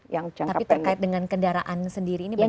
tapi terkait dengan kendaraan sendiri ini bagaimana